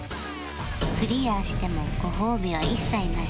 クリアしてもご褒美は一切なし